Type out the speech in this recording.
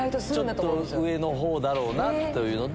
上のほうだろうなというので。